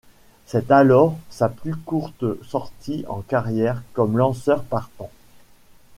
C'est alors sa plus courte sortie en carrière comme lanceur partant.